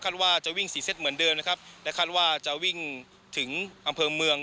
ว่าจะวิ่งสี่เซตเหมือนเดิมนะครับและคาดว่าจะวิ่งถึงอำเภอเมือง